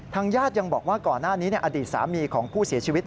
ญาติยังบอกว่าก่อนหน้านี้อดีตสามีของผู้เสียชีวิต